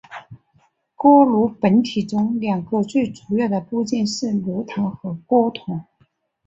锅炉本体中两个最主要的部件是炉膛和锅筒。